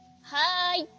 はい！